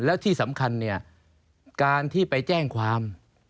แล้วที่สำคัญเนี่ยการที่ไปแจ้งความ